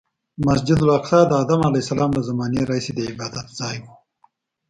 مسجد الاقصی د ادم علیه السلام له زمانې راهیسې د عبادتځای و.